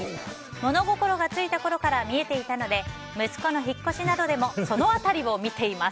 物心がついたころから見えていたので息子の引っ越しなどでもその辺りを見ています。